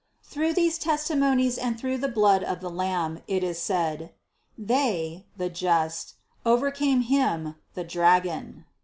118. Through these testimonies and through the blood of the Lamb, it is said: "They (the just) over came him (the dragon)."